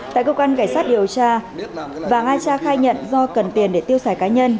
tại cơ quan cảnh sát điều tra và nga cha khai nhận do cần tiền để tiêu xài cá nhân